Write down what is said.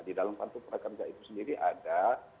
di dalam kantor pekerja itu sendiri ada